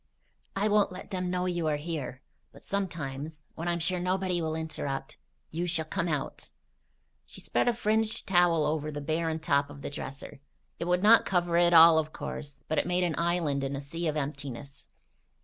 I won't let them know you are here; but sometimes, when I'm sure nobody will interrupt, you shall come out." She spread a fringed towel over the barren top of the dresser. It would not cover it all, of course; but it made an island in a sea of emptiness.